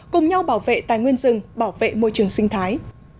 cùng nhau bảo vệ tài nguyên rừng bảo vệ môi trường sinh thái